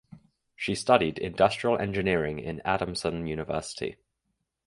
She studied Industrial Engineering in Adamson University.